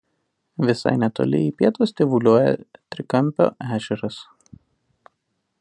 Visai netoli į pietus tyvuliuoja Trikampio ežeras.